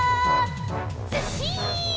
ずっしん！